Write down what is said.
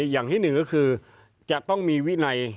อย่างที่หนึ่งก็คือจะต้องมีวินัย